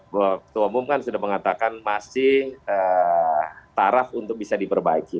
bahwa ketua umum kan sudah mengatakan masih taraf untuk bisa diperbaiki